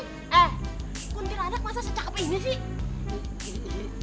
eh kuntilanak masa se cakep ini sih